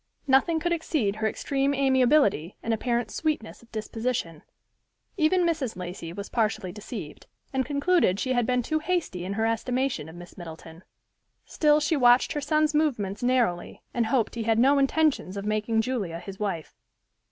Nothing could exceed her extreme amiability, and apparent sweetness of disposition. Even Mrs. Lacey was partially deceived, and concluded she had been too hasty in her estimation of Miss Middleton. Still she watched her son's movements narrowly, and hoped he had no intentions of making Julia his wife.